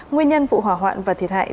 nguyên nhân vụ hỏa hoạn và thiệt hại